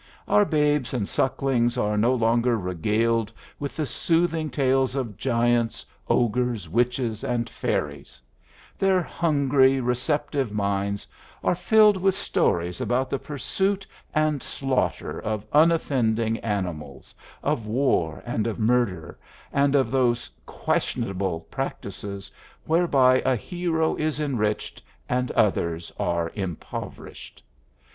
Our babes and sucklings are no longer regaled with the soothing tales of giants, ogres, witches, and fairies; their hungry, receptive minds are filled with stories about the pursuit and slaughter of unoffending animals, of war and of murder, and of those questionable practices whereby a hero is enriched and others are impoverished.